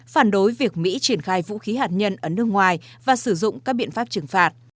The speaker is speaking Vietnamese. phản đối việc mỹ triển khai vũ khí hạt nhân ở nước ngoài và sử dụng các biện pháp trừng phạt